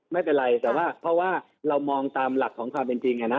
ไม่เป็นไรแต่ว่าเพราะว่าเรามองตามหลักของความเป็นจริง